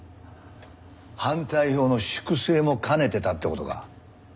反対票の粛清も兼ねてたって事か。